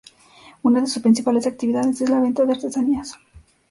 Una de sus principales actividades es la venta de artesanías.